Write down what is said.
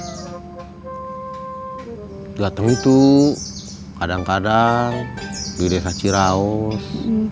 gateng itu kadang kadang di desa ciraus